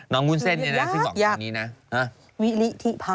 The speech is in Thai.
น้องวุ้นเซ่นเนี่ยนะซึ่งบอกตอนนี้นะ